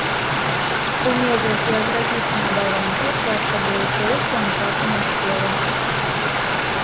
У межах геаграфічнай абалонкі часта вылучаюць ландшафтную сферу.